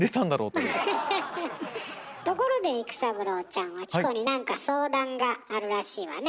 ところで育三郎ちゃんはチコに何か相談があるらしいわね？